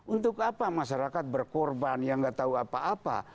untuk apa masyarakat berkorban yang nggak tahu apa apa